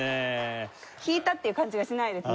弾いたっていう感じがしないですね。